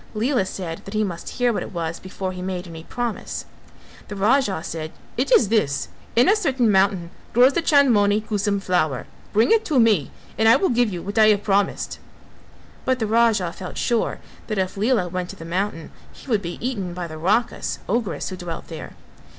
Lela said that he must hear what it was before he made any promise. The Raja said "It is this: in a certain mountain grows the Chandmoni Kusum flower; bring it to me and I will give you what I have promised:" but the Raja felt sure that if Lela went to the mountain he would be eaten by the Rakhas (ogress) who dwelt there.